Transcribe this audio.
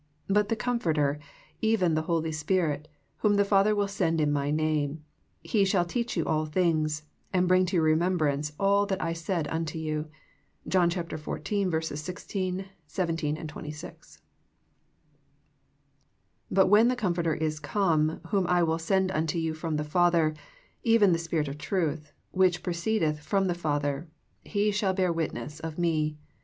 ... But the Comforter, even the Holy Spirit, whom the Father will send in My name. He shall teach you all things, and bring to your remembrance all that I said unto you." — John 14 : 16, 17, 26. ^^But when the Comforter is come, whom I loill send unto you from the Father, even the Spirit of truth, which proceedeth from the Father, He shall bear witness of Me."